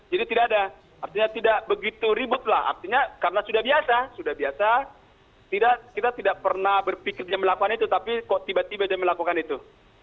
jadi tidak ada artinya tidak begitu ributlah artinya karena sudah biasa sudah biasa kita tidak pernah berpikir dia melakukan itu tapi kok tiba tiba dia melakukan itu